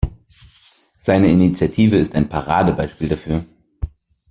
Seine Initiative ist ein Paradebeispiel dafür.